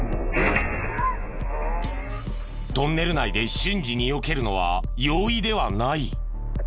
トンネル内で瞬時に避けるのは容易ではない。